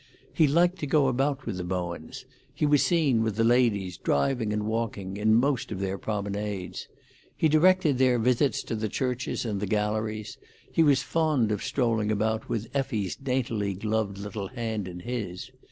He liked to go about with the Bowens; he was seen with the ladies driving and walking, in most of their promenades. He directed their visits to the churches and the galleries; he was fond of strolling about with Effie's daintily gloved little hand in his.